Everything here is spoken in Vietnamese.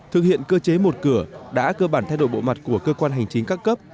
thực hiện cơ chế một cửa đã cơ bản thay đổi bộ mặt của cơ quan hành chính các cấp